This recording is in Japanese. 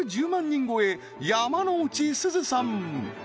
人超え山之内すずさん